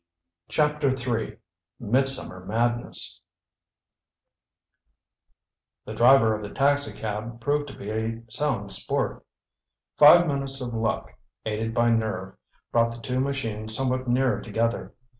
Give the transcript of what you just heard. CHAPTER III MIDSUMMER MADNESS The driver of the taxicab proved to be a sound sport. Five minutes of luck, aided by nerve, brought the two machines somewhat nearer together.